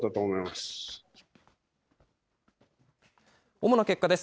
主な結果です。